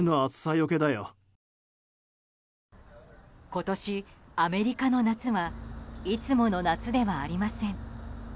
今年、アメリカの夏はいつもの夏ではありません。